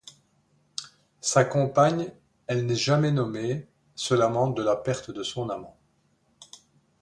Sa compagne, elle n’est jamais nommée, se lamente de la perte de son amant.